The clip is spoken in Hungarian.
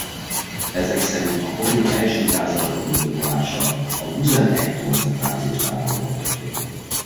Ezek szerint a foglyok első gázzal való gyilkolása a Gusen I koncentrációs táborban történt.